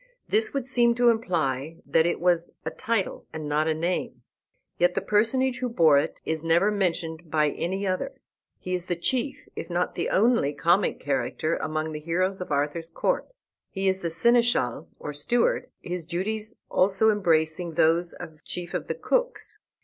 This would seem to imply that it was a title, and not a name; yet the personage who bore it is never mentioned by any other. He is the chief, if not the only, comic character among the heroes of Arthur's court. He is the Seneschal or Steward, his duties also embracing those of chief of the cooks.